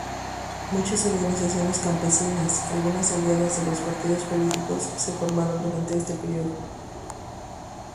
Muchas organizaciones campesinas, algunas aliadas a los Partidos Políticos, se formaron durante este período.